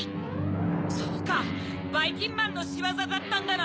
そうかばいきんまんのしわざだったんだな。